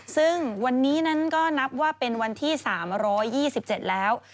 ซึ่งวันนี้นั้นก็นับว่าเป็นวันที่๓๒๗แล้ว